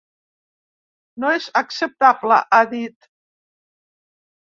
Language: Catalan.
No és acceptable –ha dit–.